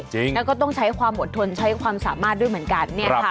ก็ต้องใช้ความอดทนใช้ความสามารถด้วยเหมือนกันเนี่ยค่ะ